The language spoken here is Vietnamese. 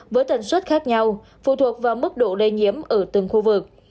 với tần suất khác nhau phụ thuộc vào mức độ lây nhiễm ở từng khu vực